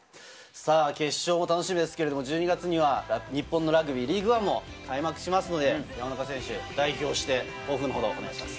決勝も楽しみですけれど、１２月には日本のラグビー、リーグワンも開幕しますので、山中選手、代表して抱負をお願いします。